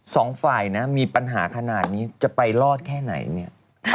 สองฝ่ายนะมีปัญหาขนาดนี้จะไปรอดแค่ไหนเนี่ย